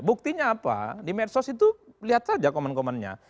buktinya apa di medsos itu lihat saja komen komennya